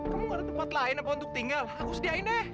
kamu nggak ada tempat lain apa untuk tinggal aku sediain deh